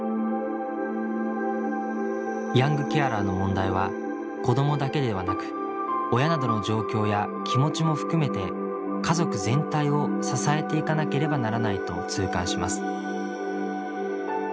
ヤングケアラーの問題は子どもだけではなく親などの状況や気持ちも含めて家族全体を支えていかなければならないと痛感します。